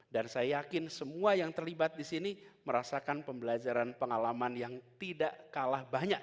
dan saya yakin semua yang terlibat di sini merasakan pembelajaran pengalaman yang tidak kalah banyak